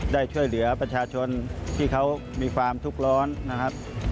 ได้ช่วยเหลือประชาชนที่เขามีความทุกข์ร้อนนะครับ